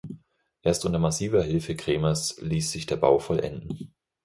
Erst unter massiver Hilfe Cremers ließ sich der Bau vollenden.